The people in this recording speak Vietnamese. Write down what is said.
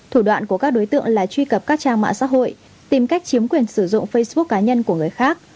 thủ đoạn của các đối tượng là truy cập các trang mạng xã hội tìm cách chiếm quyền sử dụng facebook cá nhân của người khác